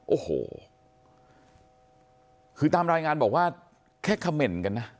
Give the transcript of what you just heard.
โอ้โหคือตามรายงานบอกว่าแค่เขม่นกันนะ